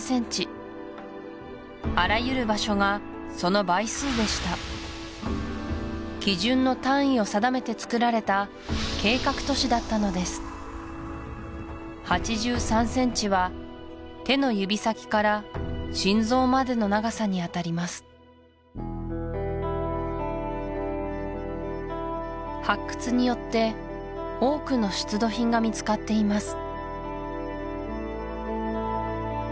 あらゆる場所がその倍数でした基準の単位を定めて造られた計画都市だったのです８３ｃｍは手の指先から心臓までの長さにあたります発掘によって多くの出土品が見つかっています